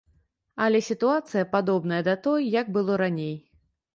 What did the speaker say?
Але сітуацыя падобная да той, як было раней.